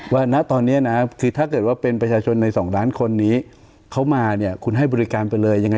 ณตอนนี้นะคือถ้าเกิดว่าเป็นประชาชนในสองล้านคนนี้เขามาเนี่ยคุณให้บริการไปเลยยังไง